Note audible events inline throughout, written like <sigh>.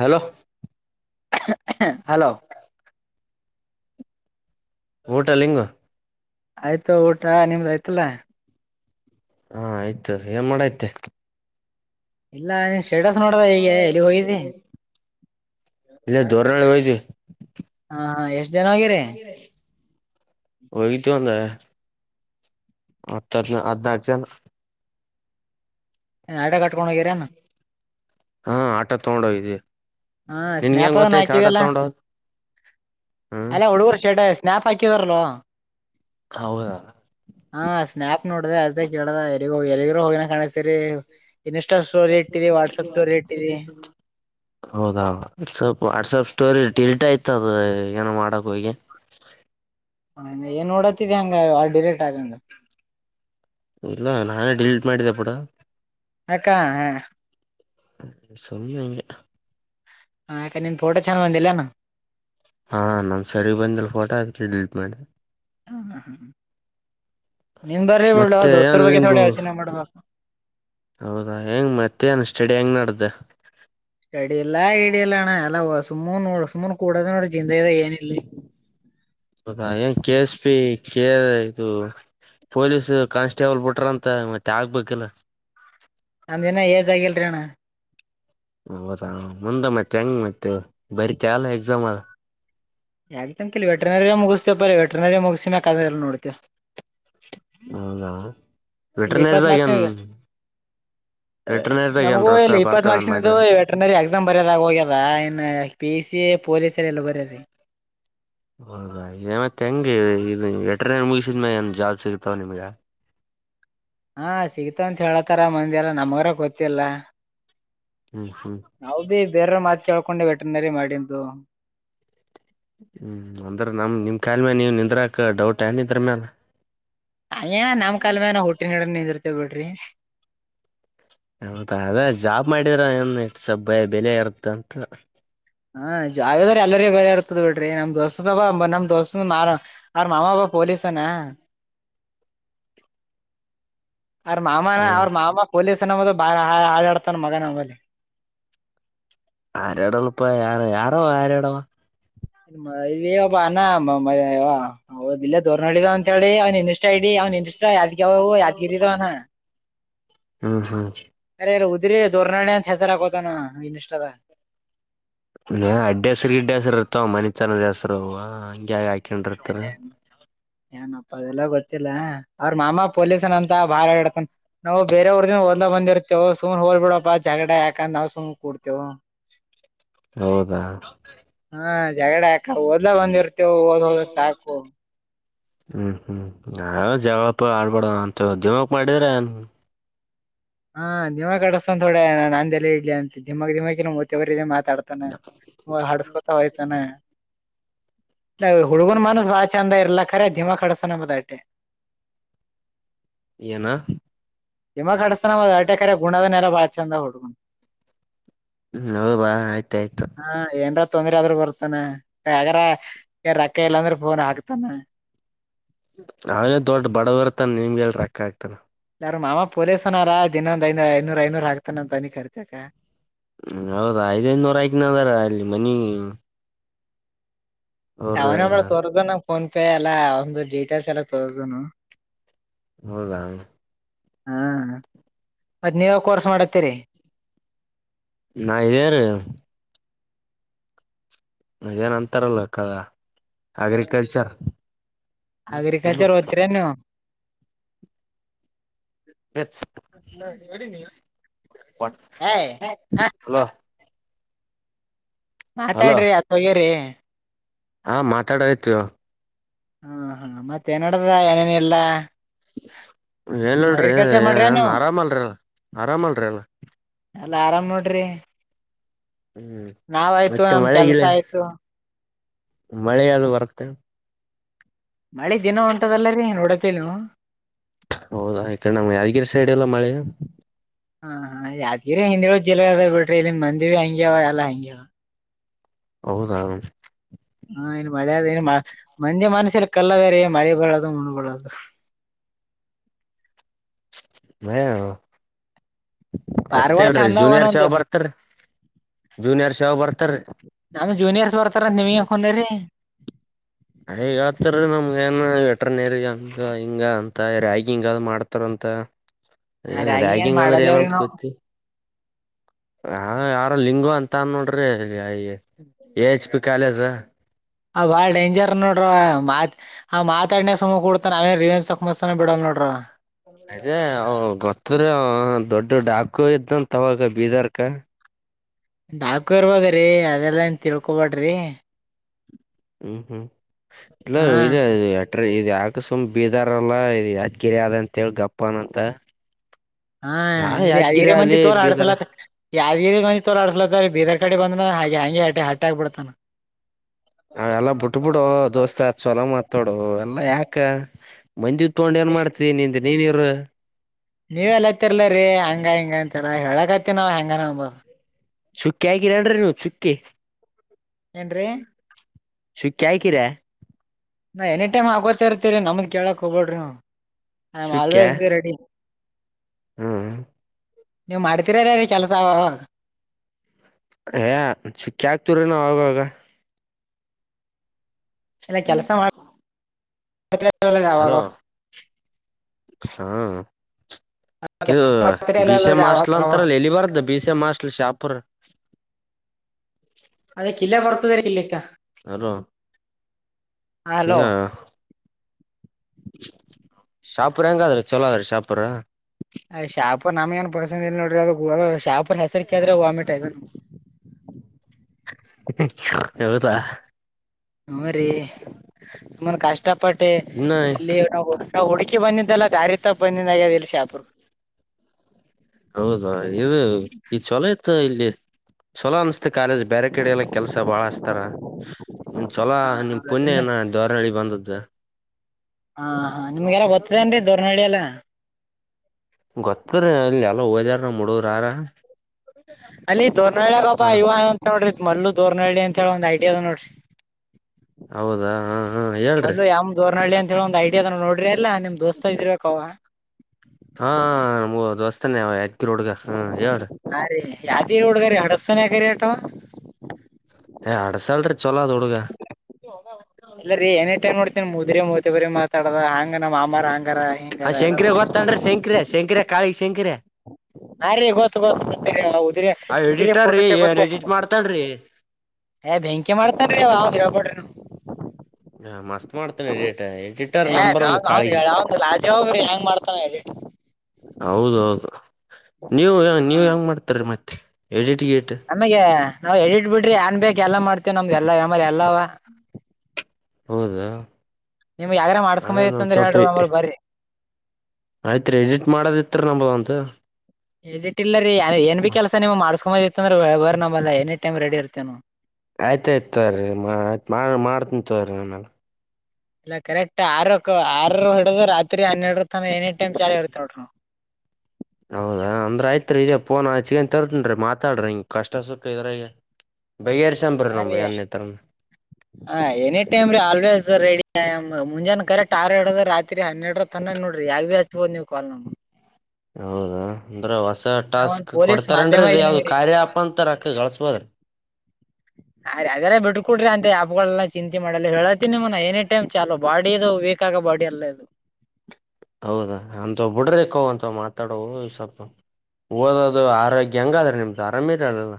hello hello ಊಟಲಿಿಂಗ ಆಯ್ತು ಊಟ ನಿಮ್ದ ಆಯ್ತಲ್ಲ ಹಾ ಆಯ್ತು ಏನ್ ಮಾಡೈ್ತೆ ಇಲ್ಲ ನೀನ್ ಶೇಡಸ್ ನೋಡಿದೆ ಈಗೆ ಎಲ್ಲಿ ಹೋಗಿದ್ದಿ ಎ ಧೋರಣರಣ ಕಾಯತಿ ಹಾ ಹಾ ಎಷ್ಟ್ ಜನ ಆಗಿರಿ ಹ ತ ಹಂದ ಹತ್ತ ಹದನ ಹದ್ನಾಾಕು ಜನ ಆಐಡಾ ಕಟ್ಕೊಂಡು ಹೋಗಿರಾನ ಹಾ ಆಟ ತಗೊಂಡೋಗದೆ ಹಾ ಸ್ನಾಪ ಅ ಹಾಕಿದೆಲ್ಲ ಹ್ಮ್ ಅಲ್ಲ ಹುಡುಗರು ವರ್ಷ ಸ್ನಾಪ ಹಾಕ ತರಲೋ ಹೌದಾ ಹಾ ಸ್ನಾಯಪ್ ನೋಡ್ದ ಅದ ಕೇಳದ ಎರಿಗ ಎಲ್ಲಿಗ್ರರು ಹೋಗಿನ ಕಾಣಿಸ್ತರಿ ರೇಟ್ ಇದೆ ವಾಟ್ಸಪ್ ಟೋರಿ ಇಟಿದಿ ಹೌದಾ ವಾಟ್ಸಪ್ ಸ್ಟೋರಿ ಡೀಲ್ಟ್ ಆಯ್ತು ಇರ್ತದ ಏನೋ ಮಾಡಕ್ ಹೋಗಿ ಹ ಏನ್ ನೋಡತಿದಿ ಹಂಗ ಡಿರೆಕ್ಟ್ ಆಗಂಗ ಇಲ್ಲ ನಾನೇ ಡಿಲೀಟ್ ಮಾಡಿದ್ದೆ ಪೂಡ ಹಕ್ಕಾ ಹ ಹ ಸುಮ್ಮಾಂಗ ಹಕ ನೀನ್ ಫೋಟೋ ಚೆಂದ ಬಂದಿಲ್ಲಾನು ಹಾ ನಮ್ ಸರಿ ಬಂದಿಲ್ಲ ಫೋಟೋ ಹಾದಿಕೆ ಡಿಲೀಟ್ ಮಾಡೆ ಹ್ಮ್ ಹ್ಮ ಹ್ಮ್ ನಿನ್ ಬರ ಹೇಬಳ್ಳ ಮತ್ತೆ ಅ ದ ಏನ್ ಬಗ್ಗೆ ದೋಸ್ತರ ಲಿಂಗು ಬಗ್ಗೆ ಯೋಚನೆ ಮಾಡುಬೇಕ್ ಹೌದಾ ಹೆಂಗ್ ಮತ್ತೆನ್ ಸ್ಟಡಿ ಹೆಂಗ್ ನಡ್ದ ಸಡಿಲ್ಲಾ ಇಡಿಯಲ್ಲ ಅಣ್ಣ ಎಲ್ಲ ಸುಮ ಸುಮನ್ ಕೂಡೋದ ನೋಡ ಜಿಂದೆ ಇದೆ ಏನ ಇಲ್ಲಿ ಹೌದ ಏನ್ ಕೆಸ್ ಪಿ ಕೆ ಇದು ಪೊಲೀಸ್ ಕಾನ್ಸ್ಟೇಬಲ್ ಬಿಟ್ರ ಅಂತ ಮತ್ತೆ ಆಗ್ಬೇಕಿಲ್ಲ ನಂದ್ ಏಜ್ ಆಗಿಲ್ರಿಣ್ಣ ಹೌದಾ ಮುಂದೆ ಮತ್ತೆ ಹೆಂಗ ಮತ್ತೆ ಬರಿತಲ್ ಎಕ್ಸಾಮ್ ಅಲ್ <unintelligible> ಹೌದಾ ಇಲ್ಲಿ ಇಪ್ಪತ್ ವಿಟ್ರೆಗೇನೆಮ್ ಮಾರ್ಕ್ಸ್ ನಮಗೂ ಇಲ್ಲಿ ಇಪ್ಪತ್ ನಕ್ಷನದು ವೆಟನರಿ ಎಕ್ಸಾಮ್ ಬರ್ಯೋದಾಗ ಹೋಗ್ಯದ ಇನ್ ಪಿ ಸಿ ಪೊಲೀಸರ ಎಲ್ಲೋಗರೆ ರೀ ಹೌದಾ ಏ ಮತ್ತ ಹೆಂಗೆ ಎಟರ್ನ ಮುಗಸಿದ್ಮ್ಯ ಏನ್ ಜಾಬ್ ಸಿಗತಾವ ನಿಮ್ಗ <inaudible> ಹಾ ಸಿಗತ ಅಂತ ಹೇಳತಾರ ಮಂದಿ ಎಲ್ಲ ನಮ್ಗರ ಗೊತ್ತಿಲ್ಲ ಹ್ಮ್ ಹ್ಮ್ ನಾವು ಬಿ ಬೇರೆ ಮಾತ ಕೇಳ್ಕೊಂಡು ವೆಟನರಿ ಮಾಡಿದ್ದು ಹ್ಮ್ ಅಂದ್ರೆ ನಮ್ ನಿಮ್ ಕಾಯಲ್ ಮೇಲೆ ನೀವ್ ನಿದ್ರಾಕ ಡೌಟ್ ಏನಿದ್ರ ಮ್ಯಾಲ ಹಯ ನಮ್ ಕಲ್ ಮೇ ನ ಹುಟ್ಟಿ ನಡ ನಿಂದಿರ್ತೇವೆ ಬಿಡ್ರಿ ಹೌದಾ ಅದ ಜಾಬ್ ಮಾಡಿದ್ರ ಏನ್ ಸಬ ಬೆಲೆ ಇರುತ್ತಂತ ಹಾ ಜದ್ರ ಎಲ್ಲರಿ ಬರ ಇರ್ತದ ಬಿಡ್ರಿ ನಮ್ ದೋಸ್ತ ನಮ್ ದೋಸ್ತ್ರ ಮಾಮಬ್ಬ ಪೊಲೀಸನಾ ಯ ಮಾಮಾ ಹ್ಮ್ ಅವರ್ ಮಾಮಾ ಪೋಲಿಸ್ ಕ್ಷ ಬಳ ಆರಡಡ್ತಾನ ಮಗ ನಮ್ಮಲಿ ಆರಡಳಪ್ಪ ಯಾರ ಯಾರಾವ ಯಾರಡಾವ ಇಲ್ಲಿ ಒಬ್ಬ ಅನ ಮ ಇಲ್ಲೇ ದೂರ್ ನೋಡಿದಾವ ಅಂತ ಹೇಳಿ ಅವನ್ ಇನ್ ಇಷ್ಟ ಇಡಿ ಅವ್ನ್ ಇನ್ ಇಷ್ಟ ಯಾದ್ಗ್ಯ ಅವವು ಯಾದ್ಗಿರ ಇದಿದಾವನ ಹ್ಮ ಹಾ ಇದ್ರೆ ದೋರ್ನಾಳೆ ಅಂತ ಹೆಸರುಾಕೋತಾನ ಇನ್ಷ್ಟದ ಇ ಅಡ್ಡೆ ಹೆಸ್ರರಿಗೆಡ್ ಹೆಸ್ರು ಇತವ ಮನಿ ಚಂದ ದ ಹೆಸರು ಹ ಆವ ಏನ್ಪ ಎಲ್ಲ ಗೋ ಗೊತ್ತಿಲ್ಲ ಅವ್ರ ಮಾಮಾ ಪೊಲೀಸನ್ ಅಂತ ಬಾಡತನ್ ನಾ ಬೇರೆವಊದನ್ ಹಓದ್ ಬಂದಿರ್ತೇವೆ ಸುಮನೆ ಹದ್ ಬಿಡಪ್ಪ ಜಗಡ ಯಾಕಂದ್ ನಾವು ಸುಮ್ ಕೂಡ್ತೇವು ಹೌದಾ ಹಾ ಜಗಡ ಯಾಕ ಓದ್ಲ ಬಂದಿರ್ತೇವು ಓದ್ ಹೋದ ಸಾಕು ಹ್ಮ್ ಹ್ಮ್ ನಾ ಜಗಳ ಪಾಗ್ಲ ಆಡ್ಬಡ ಅಂತ ಜ್ಯೋಕ್ ಮಾಡಿದ್ರ <unintelligible> ಮಾತಾಡ್ತಾನ ಹಡ್ಸ್ಕೊತ ಹೋಯ್ತಾನ ಹುಡ್ಗನ್ ಮನಸ ಬಾಳ ಚಂದ ಇರ್ಲ ಖರೆ ಧಿಮಾ ಕಡಸೋಣಂಬುದಟೆ ಏನಾ ನಿಮಾಗ ಕಡಿಸತಾನ ಅಟೆಕರೆ ಗುಣದ ನೆಲ್ಲ ಬಾ ಚಂದ ಅವು ಹೌದ ಆಯ್ತಾಯಯ್ತು ಹಾ ಏನ್ರ ತೊಂದ್ರೆ ಆದ್ರರು ಬರ್ತಾನಗಾರ ರೊಕ್ಕ ಇಲ್ಲಾಂದ್ರೆ ಫೋನ್ ಹಾಕ್ತಾನ ಅವೇ ದೊಡ್ಡ ಬಡವರ್ತಾನ ನಿಮ್ಗೆ ಎಲ್ ರೊಕ್ಕ ಆಗ್ತಾನ ಯಾರು ಮಾಮ ಪೋಲೀಸನಾರ ದಿನೊಂದ್ ಐನ ಐನೂರ ಐನೂರು ಹಾಕ್ತಾನ ಅಂತನಿಖರ್ಚಿಗ ಹ್ಮ ಹೌದಾ ಐದ್ೈದನೂರ ಆಯ್ತನದಾರ ಅಲ್ಲಿ ಮನಿ <unintelligible> ಅವ್ರ ಅವನಳ ತೋರ್್ದ ನಂಗ ಫೋನ್ ಪೇ ಎಲ್ಲಾ ಒಂದು ಡೀಟೇಲ್ಸ್ ಎಲ್ಲ ತೋರ್್ದನು <unintelligible> ಹೌದಾ ಹಾ ಮತ್ತ ನೀವ ಕೋರ್ಸ್ ಮಾಡತ್ತೀರಿ ನಾ ಇದಾರ ಮಜೇನ ಅಂತಾರಲ್ಲ ಕ ಅಗ್ರಿಕಲ್ಚರ್ ಅಗ್ರಿಕಲ್ಚರ್ ಒತ್ರೀ ನೀವು ವ ಏಯ್ <inaudible> ಮಾತಾಡ್ರಿ ಅತ್ ಹೋಗ್ಯರಿ ಹಾ ಮಾತಾಡಾಯಯ್ತು ಹಾ ಹಾ ಮತ್ತೆ ನಡ್ರ ಏನೇನ್ ಎಲ್ಲಾ ಏನ್ ಮಾಡ್ರಿ ಹೇಳ್ರಿಏಏನ್ ನೀವು ಆರಾಮಲ್ರಿ ಅಲ್ ಆರಾಮಲ್ರಿ ಅಲ್ <unintelligible> ಎಲ್ಲ ಆರಾಮ್ ನೋಡ್ರಿ ಹ್ಮ್ ನಾವಾಯ್ತು ಮತ್ತೆ ನಮ್ ಮಳೆ ಕೆಲ್ಸ ಗಿಳೆ ಆಯ್ತು ಮಳೆ ಯಾಲ್ಲಿ ಬರುತ್ತೆ ಮಳೆ ದಿನ ಉಂಟದಲ್ಲರೀ ನೋಡತ್ತೇ ನೀ ಹೌದಾ ಈ ಕಡೆ ನಮ್ ಯಾದಗಿರಿ ಸೈಡ್ ಇಲ್ಲ ಮಳೆ ಹಾ ಹ ಯ್ಗಿರಿ ಹಿಂದಿಳ ಜಿಲ್ಲ ಅದ ಬಿಟ್ರಿ ಇಲ್ಲಿಂದ ಮಂದಿ ಭ ಹಂಗ್ಯವ ಎಲ್ಲಾ ಹಂಗ್ಯವ ಹೌದಾ ಹಾ ಇನ್ ಮಳೆದು ಇನ್ ಮಂಜೆ ಮನಸಲ್ಲಿ ಕಲ್ಲದ ರ ಮಳೆ ಬಳದು ಮುಣಬಳದು ಮ <inaudible> ಮತ್ತ ಪಾರ್ಗಳು ಹೇಳ್ರಿ ಚಂದ ಜೂನಿಯರ್ ಸಾವ ಅವನೊಂದು ಬರ್ತರಿ ಜೂನಿಯರ್ ಶವಾ ಬರ್ತ ನಮ್ ಜೂನಿಯರ್ಸ್ ಬರ್ತಾರಂತ ನಿಮ್ಗೆ ಯಾಕ್ ಖುನರಿ ಹ ಈಗ ಆತರೀ ನಮ್ಗ ಏನ್ ವೆಟ್ರನೇರಿ ಅಂತ ಹಿಂಗ ಅಂತ ರ್ಯಾಗಿಿಂಗ್ ಅ ಮಾಡ್ತಾರಂತ ರಾಗಿ ಏನ್ ರ್ಯಾಗಿಂಗ್ ಅಂದ್ರೆ ಮಾಡಲ್ವ್ರಿ ಏನಂತ ನಾವ್ ಗೊತ್ತ ಹ ಯಾರ ಲಿಂಗು ಅಂತ ನೋಡ್ರಿ ಎ ಹೆಚ್ ಪಿ ಕಾಲೇಜ ಆ ಬಾಳ್ ಡೇಂಜರ್ ನೋಡ್ರ ಮಾತ್ ಆ ಮಾತಾಡನ ಸುಮ ಕೂಡ್ತಾನ ಅವೇನ್ ರಿವೇಜ್ ತಕಮ್ತಾನ ಬಿಡಲ್ ನೋಡ್ರ <unintelligible> ಅಯದ ಹ ಗೊತ್ತ <unintelligible> ಹ ದೊಡ್ಡ ಡಾಕು ಇದಂತತ್ ಅವಾಗ ಬೀದಾರ್ಕ ಡಾಕು ಇರ್ಬೋದ್ರೀ ಅದೆಲ್ಲಾ ಏನ್ ತಿಳ್ಕೊಬೇಡ್ರಿ ಹ್ಮ್ ಹ್ಮ್ ಇಲ್ಲ ಹಾ ಇಲ್ಲ ಅ <unintelligible> ಇ ಯಾಕ ಸುಮ ಬೀದಾರಲ್ಲ ಇ ಯದ ಗಿರಿ ಅದ ಅಂತೇಳಿ ಗಪ್ಪನಂತ ಹಾ ಯಾ ಇಲ್ಲಿ ಅಿರ ಯಾದಗಿರಿ ಮಂದಿ ಅಲ್ಲಿ ತೋರ ಬೀದರ್ ಆಡ್ಸಲತ್ತ <unintelligible> ಯಾವ ಮಂದಿ ತೋರಾಡ್ಸ್ಲತ್ತ ಬೀದರ್ ಕಡೆ ಬಂದನ ಹಾಗೆ ಹಗೆ ಹಟ್ಟೆ ಆಗ್ಬಿಡ್ತಾನ <unintelligible> ಅವ ಎಲ್ಲ ಬಿಟ್ ಬಿಿಡು ದೋಸ್ತ ಚಛಲೋ ಮಾತ್ೋಡು ಎಲ್ಲಾ ಯಾಕ ಮಂದಿ ತಕೊಂಡ್ ಏನ್ ಮಾಡ್ತೀ ನಿಂದು ನೀನ್ ಇರು ನೀವ್ ಎಲ್ಲತಿರ್ಲರಿ ಹಂಗ ಹಿಂಗ ಅಂತರ ಹೇಳಕ್ತಿ ನಾವ್ ಹೆಂಗನ ಅ <unintelligible> ಚುಕ್ಕಿ ಆಗಿರಡ್ರಿನು ಸುಕ್ಕಿ ಏನ್ರೀ ಶುಕ್ಕ್ಯಾಯ ಕರೇ <unintelligible> ನಾ ಎನಿ ಟೈಮ್ ಆಗೋತ ಇರ್ತರಿ ನಮ್ದ ಕೇಳಕ್ ಹೋಗಬೋಡ್ರಿ ಐಮ್ ಚುಕ್ಕ್ಯಾ ಆಲ್ವೇಸ್ ಬಿ ರೆಡಿ ಹ್ಮ್ ನೀವವು್ ಮಾಡ್ತೀರಾರೀ ಕೆಲ್ ಏ ಚುಖಿ ಆಕ್ತಿವ್ರಿ ನಾವ ಆಾಗಾಗ <unintelligible> ಹ್ಮ್ ಎಲ್ಲ ಜಾವಾಗ <unintelligible> ಹ್ಮ ಹ ಬಸ ಮಾಸ್ಲ ಅಂತಾರಲ್ಲ ಎಲ್ಲಿ ಬಾರ್ದ ಬಸ <unintelligible> ಮಾಡಸ್ಲ್ ಶಪರ ಅದೇ ಕಿಲ್ಲ ಪರತದರ ಕಿಲ್ಲಕ್ಕಾ ಹಲೋ ಕ ಯ ಹಲೋ ಶಾಪರ್ ಹೆಂಗಾದ್ರಿ ಚಲೋ ಅದ್ರೀ ಶಾಪರ್ ಸ ನೋಡ್ರಿ ಅ ಶಾಪರ್ ಹೆಸರಿಕೆ ಆದ್ರೆ ವಾಮಿಟ್ ಆಯತ ಎವತ ಹೂ್ರರಿ ಸುಮಾನ ಕಷ್ಟಪಟ್ಟೆ ಇನ್ನ ಇಲ್ಲಿಟ ಹುಡು ಅಿ ಬಂದಿದ್ದಲ್ಲ ದಾರಿ ತಪ್ಪ ಬಂದಾಗ್ಯದ ಇಲ್ ಶಾಪರು ಹೌದಾ ಇದು ಈ ಚಛೊಲೋ ಇತ್ತು ಇಲ್ಲಿ ಚೊಲೋ ಅನ್ತ ಕಾಲೇಜ್ ಬೇರೆ ಕಡೆ ಎಲ್ಲ ಕೆಲ್ಸ ಬಾಳ ಅತಾರ ನಿ್ ಚೊಲ ಹಾ ಹಾ ನಿಮ್ ಪುಣ್ಯ ನಿಮ್ದ ಏನ ದವರ್ಳ್ಳಿ ಬಂದದ್ದ ಹಾ ಹಾ ನಿಮ್ಗೆಲ್ಲ ಗೊತ್ತದೇನ್ರಿ ದೋರ್ನಡಿಿ ಎಲ್ಲ ಗೊತ್ತರಿೀ ಅಲ್ಲಿ ಎಲ್ಲ ಹೋದಾರ ಮೂಡೋ್ರಾರ ಅಲ್ಲಿ ದೊಳಾಗಬಾ ಇವಂತ ನೋಡ್ರಿ ಮಲ್ಲು ದೋರ್ ನೋಿ ಅಂತ ಹೇಳಿ ಒಂದು ಐಡಿಯಾ ಅದ ನೋಡ್ರಿ ಹೌದಾ ಹ ಹ ಹೇಳ್ರಿ ಮಲ್ಲಲು ಯಮ ೋರಣ ಒಂದು ಐಡಿಯಾಾದ ನೋಡ್ರಿ ಅಲ್ಲಾ ನಿಮ್ ದೋಸ್ತ ಇದ ಇರ್ಬೇಕ ಅವ ಹಾ ನಮಗೂ ದೋಸ್ತಾನೆ ಹ ರೀ ಯಾವ್ದಿ ಹುಡ್ಗರಿೀ ಅಡಸ್ತಾನ ಯಾಕರಿೀ ಅಟ ಹ್ಡಸಾಲ್ರ ಎಲ್ಲರಿೀ ಏನೇಟೈ್ ನೋಡ್ ಮುದ್ರ ಮ ಬರಿ ಮಾತಾಡ ಹಂಗ ನಮ್ಮ ಮಾಮಾರ್ಂಗ ಹ ಶಂಕರ ಗೊತ್ತಂಡ್ರೆ ಶಂಕರ ಶಂಕರ ಕಾಳಿ ಶಂಕರ ಹಾ ರೀ ಗೊ ಗೊ ಉುದು್ರ ಆ ಉುದುಿರ ಎಡಿಟರ್ ಫೋಟೋ ರೀ ಏನ್ ತಗೋತ್ತೇ ಎಡಿಟ್ ಮಾಡ್ತನ್ರಿ ಏ ಬೆಂಕಿ ಮಾಡ್ತಾರ ಹಾ ಮಸ್ತ್ ಮಾಡ್ತೇನೆ ಎಡಿಟರ್ ಎಡಿಟರ್ ನೀವು ಏ ನಂಬರ್ ಒನ್ ಅವ್ನ್ ಅವ್ನ್ ಕಾಳಗಿ ಹೇಳ ಅವ್ನ್ ಲಾಜಿ ಹೋಗ್ರಿ ಹೆಂಗ್ ಮಾಡ್ತಾನ ಎಡಿಟ್ ಹೌದೌದು ನೀವು ನೀವ್ ಹೆಂಗ ಮಾಡ್ತಾರೀ ಮತ್ತೆ ಎ ನಮಗೆ ನಾವ್ ಎಟ್ ಬಿಡ್ರಿ ಏನ್ ಬೇಕ ಎಲ್ಲಾ ಮಾಡ್ತೇವ ನಮ್್ದ ಎಲ್ಲಾ ಆಮಲೆ ಎಲ್ಲಾವ ಹೌದಾ ನಿಮ್ ಯಗಾರ ಮಾಡ್ಸ್ಕೊಂಬದಿತ್ತ ಅಂದ್ರೆ ಹೇಳ್ರಿ ಒ್ರ ಬರರಿ ಆಯ್ತ್ರಿೀ ಎಡಿಟ್ ಮಾಡೋದಿತ್ರ ನಂಬ ಅಂತ ಹೇಳಿಟ್ಟಿಲ್ಲ ರೀ ಏನ್ ಭ ಕೆಲಸ ನಿಮ್ಮ್ ಮಾಡ್ಸ್ಕೊಂಬದಿತಿ ಅಂದ್ರ ಬ ನಂಬಲ್ಲ ಎನ ಟೈಮ್ ರೆಡಿ ಇರ್ತೇವವು ಆಯ್ತಾಯಯ್ತು ತ್ರಿ ಆಯ್ತ್ ಮಾಡ್ತನ ತವ್ರಿ ನಮ್ಮೆಲ್ಲ ಇಲ್ಲ ಕರೆಕ್ಟ್ ಆರಕ್ಕ ಆರ್ ಹಿಡ್ದ್ ರಾತ್ರಿ ಹನ್ನೆರಡರ ತ ಎನಿ ಟೈಮ್ ಚಾಲ ಇರ್ತ ನೋಡ್ರರು ಹೌದಾ ಅಂದ್ರ ಆಯ್ತ್ ಇದ ಪಫೋನ್ ಚಗನ್ ತರ್ತನಮಾತಾಡ್ರಿ ಹಿಂಗ ಕಷ್ಟ ಸುಖ ಇದ್ರ ಈಗ ಅ ಹ ಎನಿ ಟೈಮ ರ ಆಲ್ವಸ್ ರೆಡಿ ಮುಂಜಾನೆ ಕರೆಕ್ಟ್ ಆರ್ರಡ ರಾತ್ರಿ ಹನ್ನೆರಡರ ತಾನ ನೋಡ್ರರಿ ಯಾೆ ಭೀ ಹಚ್ಬೋದು ನೀವು ಕಾಲ್ ನ ಹೌದಾ ಅಂದ್ರೆ ವಸ ನಾವೊಂದ್ ಟಾಸ್ಕ್ ಪೊಲೀಸ್ ಕೊಡ್ತಾರನ್ರಿ ಮಾಧ್ಯಮ ಅದ ಯಾವ್ದ್ ಇದೀನಿರಿ ಕಾರ್ಯಪ ಅಂತಾರ ಅಕ ಕಳಸ್ಬೋದ್ರಿ ಅೀ ಅದೆಲ್ಲ ಬಿಟ್ಕಡ್ರಿ ಅಂತ ಯಾಪ್ಗಳೆಲ್ಲ ಚಿಂತೆ ಮಾಡಲ್ಲ ಹೇಳತನಿಮ್ಮನ ಎನಿ ಟೈಮ್ ಚಾಲು ಬಾಡಿ ಇದು ವೀಕ್ ಆಗೋ ಬಾಡಿ ಅಲ್ಲ ಇದು ಹೌದಾ ಅಂತ ಬಿಡ್ರೇಕ ಅಂತ ಮಾತಾಡೋ ಸ್ವಲ್ಪ ಓದೋದು ಆರೋಗ್ಯ ಹೆಂಗಾದ್ರ ನಿಮ್ದು ಆರಾಮ ಇರದಲ್ಲ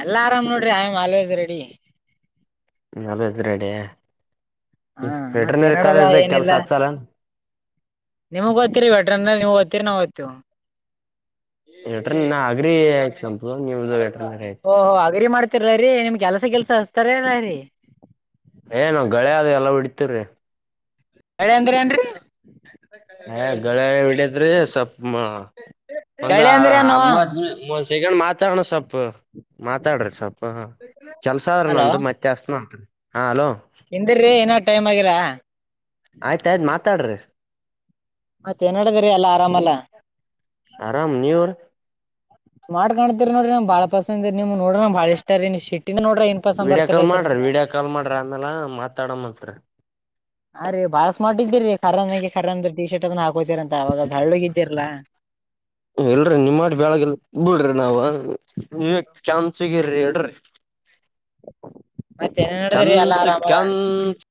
ಎಲ್ಲ ಆರಾಮ್ ನೋಡ್ರಿ ಐಮ್ ಆಲ್ವೇಸ್ ರೆಡಿ ಅದು ಹೆದ್ರಡ ಹಾ ಮತ್ತೆ ನೋಡದ ಏನಿಲ್ಲ ಹಚ್ಚಲ್ಲ ನಿಮ್ಗ್ ಗೊತ್ತೀರಿ ಬ್ಯಾಟ್ರ ನೀವು್ ಓತ್ತೀರಿ ನಾವ್ ್ತಿೀವಿ ಹೇಳಟ ಅಗ್ರಿ ಸಂಪ ನೀವು ಓಹೋ ಅಗ್ರಿ ಮಾಡ್ತರ್ರೀ ನಿಮ್ ಕೆಲ್ಸ ಕೆಲ್ಸ ಹಚ್ತಾರರರಿ ಏನು ಗಗಳಳೆ ಅ ಆದ ಎಲ್ಲ ಬಿಡ್ತಿರಿ ಗಳೇ ಅಂದ್ರ ಏನ್ರಿ ಹಗಳ ಹಡತ್ರಿ ಸ್ವಪ್ ಗಳೆ ಅಂದ್ರೆ ಏನು ಒಂದತ್ ಶಗಣ ಮಾತಾರಣ ಸಪ್ಪ ಮಾತಾಡ್ರಿ ಸ್ವಲ್ಪ ಹ ಕೆಲ್ಸ ಆದ್ರ ನಂತ ಮತ್ತಸ್ನತ್ರಿ ಹಾ ಅಲೋ ಹಿಂದಿರ್ರಿ ಏನ ಟೈಮ್ ಆಗಿರಾ ಆಯ್ತಾಯಯ್ತು ಮಾತಾಡ್ರಿ ಮತ್ತೆ ಏನಡದ್ರೀ ಅಲ್ಲಾ ಆರಾಮಲ್ಲಾ ಆರಾಮ ನೀೂರ್ ನೋಡ್ರ ನ ಬಾಳ ಪಸಂದ್ ನಿಮ ನೋಡ ಬಾಳ ಇಷ್ಟಾರ ರ ಶೀಟ್ ವೀಡಿಯೋ ಕಾಲ್ ಮಾಡ್ರಿ ವೀಡಿಯೋ ಕಾಲ್ ಮಾಡ್ರಿ ಆಮೇಲೆ ಮಾತಾಡಂತ್ರಿ ಅ ರೀ ಬಾಳ ಸ್ಮಾರ್ ಇದೀರಿ ಖರನ್ ಖರ ಅಂದ ಟಿ ಶರ್ಟ್ ಅದನ್ನ ಹಾಕೋತೀರ ಅಂತ ಅವಾಗ ಬಾಳುೋಗಿದ್ದಿರಲಾ ಇಲ್ರಿ ನಿಮ್ ಮಾಡಿ ಬೆಳಗೆಲ್ ಬಿಡ್ರಿ ನಾವವು ನೀವ ಚನ್ ಸಿಗಿರಿ ಮತ್ತೇನ್ ನಡದದ್ರಿ ಎಲ್ಲಾ ಕೆನ್ಸ ಆರಾಮ ಕನ್ಸ